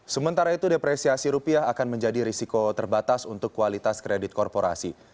sementara itu depresiasi rupiah akan menjadi risiko terbatas untuk kualitas kredit korporasi